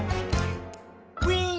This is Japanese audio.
「ウィン！」